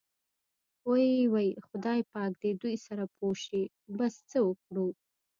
وۍ وۍ خدای پاک دې دوی سره پوه شي، بس څه وکړو.